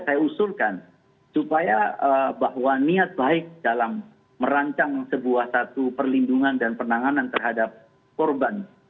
saya usulkan supaya bahwa niat baik dalam merancang sebuah satu perlindungan dan penanganan terhadap korban